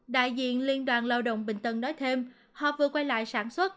đại diện liên đoàn lao động bình tân nói thêm họ vừa quay lại sản xuất